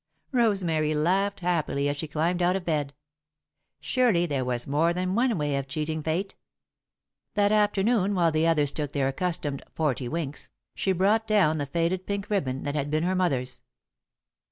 Rosemary laughed happily as she climbed out of bed. Surely there was more than one way of cheating Fate! That afternoon, while the others took their accustomed "forty winks," she brought down the faded pink ribbon that had been her mother's.